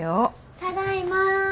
ただいま。